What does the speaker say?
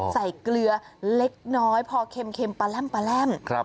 ใส่เกลือเล็กน้อยพอเข็มเข็มประแรมประแรมครับ